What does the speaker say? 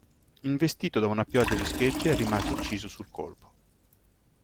Investito da una pioggia di schegge rimase ucciso sul colpo.